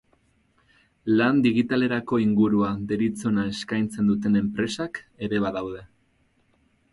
Lan digitalerako ingurua deritzona eskaintzen duten enpresak ere badaude.